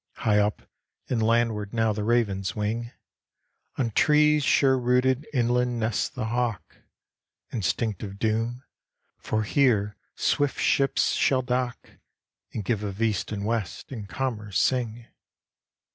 High up and landward now the ravens wing, On trees sure rooted inland nests the hawk; Instinct of doom! for here swift ships shall dock, And give of east and west, and commerce sing.